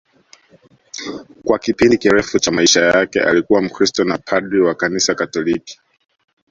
Kwa kipindi kirefu cha maisha yake alikuwa Mkristo na padri wa Kanisa Katoliki